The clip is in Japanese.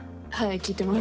聞いてます。